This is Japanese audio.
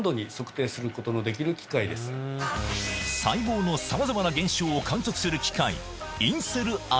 細胞のさまざまな現象を観測する機械